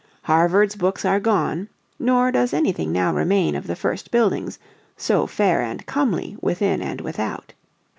Harvard's books are gone, nor does anything now remain of the first buildings "so faire and comely within and without."